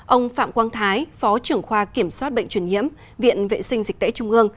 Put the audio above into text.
ông phạm quang thái phó trưởng khoa kiểm soát bệnh truyền nhiễm viện vệ sinh dịch tễ trung ương